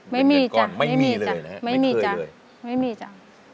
ไม่มีจ้ะไม่มีเลยนะฮะไม่มีจ้ะไม่เคยเลยไม่มีจ้ะ